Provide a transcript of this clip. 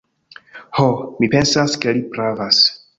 Ho, mi pensas ke li pravas.